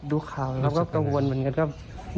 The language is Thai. ดูข่าวเราก็กังวลเหมือนกันครับ